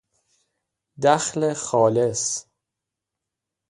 دخل خالص